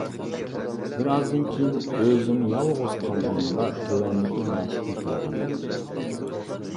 بىر ئازدىن كېيىن، ئۆزۈڭ يالغۇز قالغىنىڭدا تۆۋەندىكى مەشىقنى قىلغىن.